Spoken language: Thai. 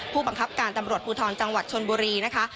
ผู้บังคับการตำรวจภูทรจังหวัดชนบุรีนะคะ